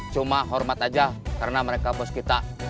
cuma hormat aja karena mereka bos kita